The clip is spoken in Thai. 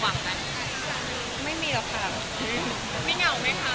วันนี้ยังไม่ได้แพลนเลยค่ะ